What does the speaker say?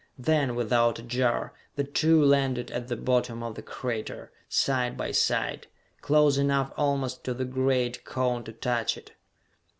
Then, without a jar, the two landed at the bottom of the crater, side by side, close enough almost to that great cone to touch it.